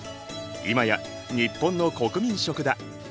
今や日本の国民食だ。